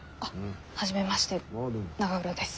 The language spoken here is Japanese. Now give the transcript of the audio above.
初めまして永浦です。